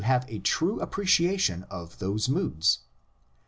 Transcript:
have a true appreciation of those moods.